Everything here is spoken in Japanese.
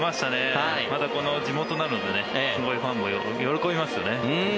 この地元なのですごいファンも喜びますよね。